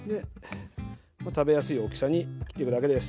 もう食べやすい大きさに切ってくだけです。